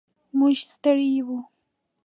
موږ ستړي و.